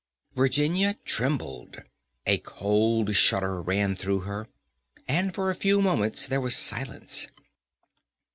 Virginia trembled, a cold shudder ran through her, and for a few moments there was silence.